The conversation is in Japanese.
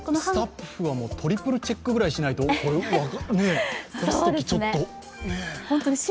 スタッフはトリプルチェックくらいしないと、出すときちょっと。